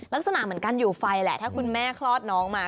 ลักษณะเหมือนการอยู่ไฟแหละถ้าคุณแม่คลอดน้องมา